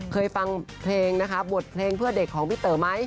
เคยฟังเพลงนะคะบทเพลงเพื่อเด็กของพี่เต๋อไหม